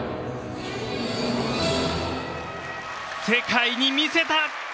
世界に見せた！